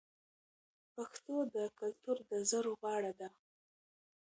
پښتو د کلتور د زرو غاړه ده.